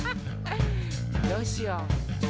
どうしよう？